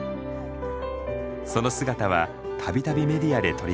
その姿は度々メディアで取り上げられました。